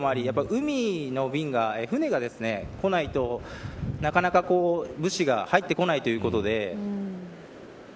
海の便が、船が来ないとなかなか物資が入ってこないということで。